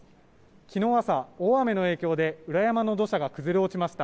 昨日朝、大雨の影響で裏山の土砂が崩れ落ちました。